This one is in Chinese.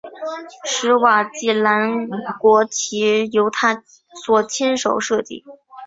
史瓦济兰国旗由他所亲自设计。